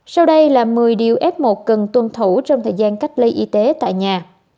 sau đây là một mươi điều f một cần tuân thủ trong thời gian cách ly y tế tại nhà